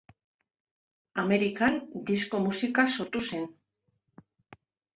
Amerikan disko musika sortu zen.